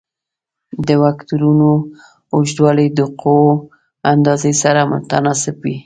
د وکتورونو اوږدوالی د قوو اندازې سره متناسب وي.